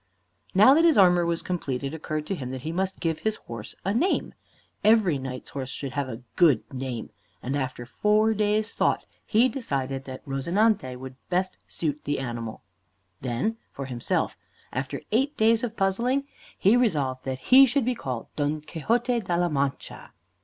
Now that his armor was complete, it occurred to him that he must give his horse a name every knight's horse should have a good name and after four days thought he decided that "Rozinante" would best suit the animal. Then, for himself, after eight days of puzzling, he resolved that he should be called Don Quixote de la Mancha.